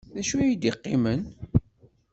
D acu ay d-yeqqimen?